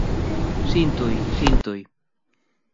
Síntoo, síntoo.